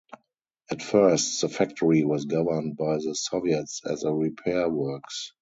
At first, the factory was governed by the Soviets as a repair works.